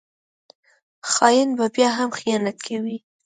خاین به بیا هم خیانت کوي